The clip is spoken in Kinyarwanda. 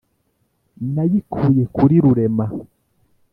nayikuye kuri rurema,